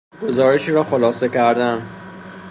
گزارشی را خلاصه کردن